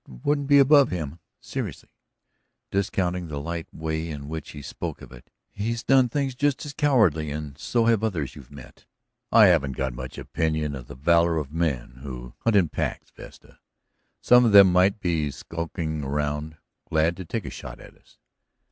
"It wouldn't be above him," seriously, discounting the light way in which he spoke of it; "he's done things just as cowardly, and so have others you've met." "I haven't got much opinion of the valor of men who hunt in packs, Vesta. Some of them might be skulking around, glad to take a shot at us.